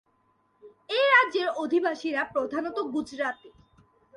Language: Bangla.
এই রাজ্যের অধিবাসীরা প্রধানত গুজরাতি।